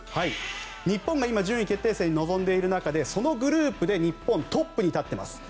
日本が今順位決定戦に臨んでいる中でそのグループで日本、トップに立っています。